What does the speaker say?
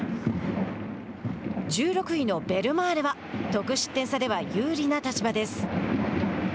１６位のベルマーレは得失点差では有利な立場です。